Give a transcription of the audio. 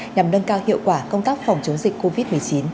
nhằm nâng cao hiệu quả công tác phòng chống dịch covid một mươi chín